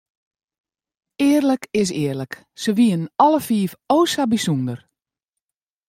Earlik is earlik, se wienen alle fiif o sa bysûnder.